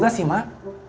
gimana sih mak